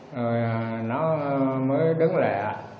rồi nó mới đứng lẹ